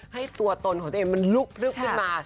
ให้ตัวตนของตัวเองมันลุกพลึบขึ้นมา